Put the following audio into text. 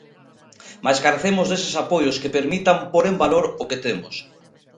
Mais carecemos deses apoios que permitan pór en valor o que temos.